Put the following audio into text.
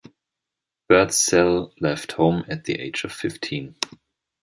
Birdsell left home at the age of fifteen.